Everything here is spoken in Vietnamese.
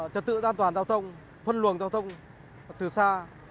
trật tự an toàn giao thông phân luồng giao thông từ xa